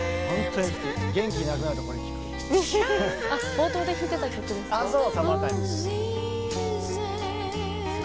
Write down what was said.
冒頭で弾いてた曲ですか？